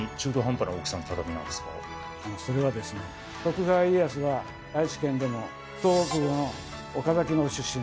それはですね徳川家康は愛知県でも東部の岡崎の出身です。